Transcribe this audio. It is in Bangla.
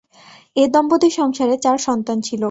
এ দম্পতির সংসারে চার সন্তান ছিল।